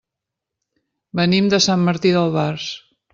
Venim de Sant Martí d'Albars.